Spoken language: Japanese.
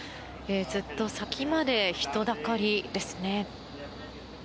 ずっと先まで人だかりですね。